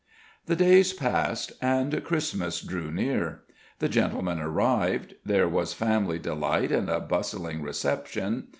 The days passed, and Christmas drew near. The gentlemen arrived. There was family delight and a bustling reception.